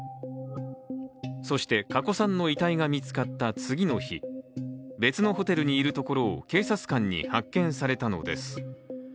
そして、加古さんの遺体が見つかった次の日、別のホテルにいるところを警察官に発見されたのです。